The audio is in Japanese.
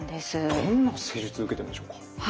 どんな施術受けてるんでしょうか？